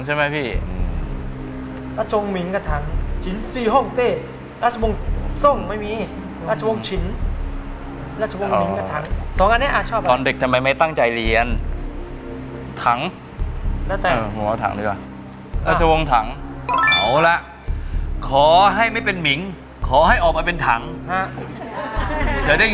เหลือมิงกับถังราชวงศ์ถังราชวงศ์มิงกับถังสองอันนี้